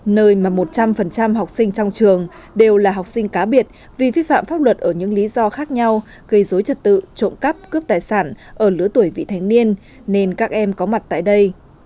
nơi mà một trăm linh học sinh trong trường đều là học sinh cá biệt vì vi phạm pháp luật ở những lý do khác nhau gây dối trật tự trộm cắp cướp tài sản ở lứa tuổi vị thành niên nên các em có mặt tại đây